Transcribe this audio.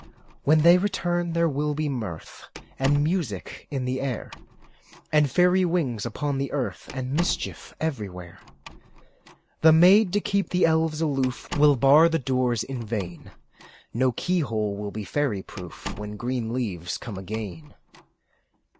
When they return, there will be mirth And music in the air, And fairy wings upon the earth, And mischief everywhere. The maids, to keep the elves aloof, Will bar the doors in vain ; No key hole will be fairy proof, When green leaves come again.